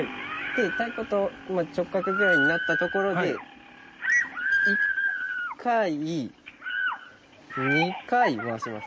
太鼓と直角ぐらいになったところで１回２回回します。